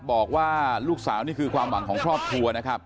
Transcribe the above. บอกว่าลูกสาวนี่ความหวังของครอบครัว